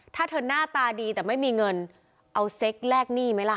ถ้าเธอหน้าตาดีแต่ไม่มีเงินเอาเซ็กแลกหนี้ไหมล่ะ